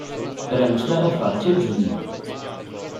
ręczne otwarcie drzwi